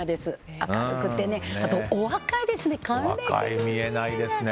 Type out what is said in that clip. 明るくてねあと、お若いですね。